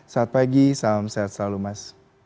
selamat pagi salam sehat selalu mas